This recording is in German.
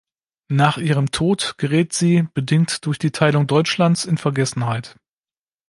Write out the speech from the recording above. Nach ihrem Tod gerät sie, bedingt durch die Teilung Deutschlands, in Vergessenheit.